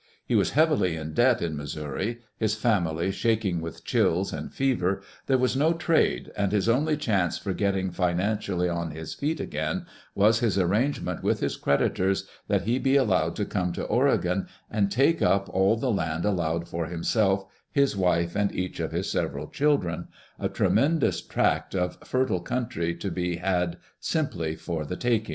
He was heavily in debt in Mis souri, his family shaking with chills and fever, there was no trade, and his only chance for getting financially on his feet again was his arrangement with his creditors that he be allowed to come to Ore gon and take up all the land allowed for himself, his wife, and each of his several children — a tremendous tract of fertile country to be had simply for the taking.